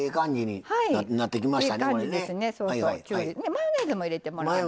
マヨネーズも入れてもらってね。